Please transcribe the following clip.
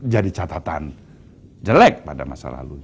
jadi catatan jelek pada masa lalu